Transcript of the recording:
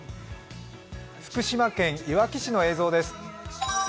福島県いわき市の映像です。